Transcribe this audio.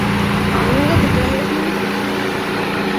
Нимәгә көтәһегеҙ мине?